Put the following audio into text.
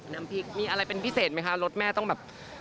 น้ำพริกมีอะไรเป็นพิเศษไหมคะรสแม่ต้องแบบ